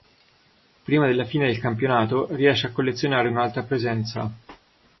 Prima della fine del campionato riesce a collezionare un'altra presenza.